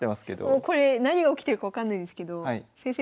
もうこれ何が起きてるか分かんないですけど先生